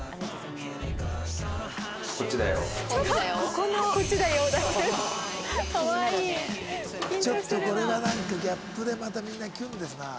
ちょっとこれがギャップでまたみんなキュンですな。